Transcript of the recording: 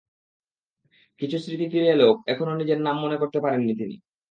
কিছু স্মৃতি ফিরে এলেও এখনো নিজের নাম মনে করতে পারেননি তিনি।